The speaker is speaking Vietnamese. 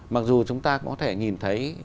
mặc dù chúng ta có thể nhìn thấy